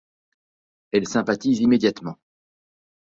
Elles sympathisent immédiatement.